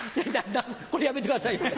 これやめてくださいよ。